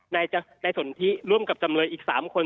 ในส่วนที่ร่วมกับจำนวยอีก๓คน